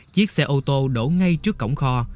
chiếc xe ô tô đổ ngay trước cổng kho